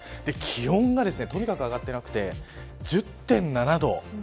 気温がとにかく上がってなくて１０．７度。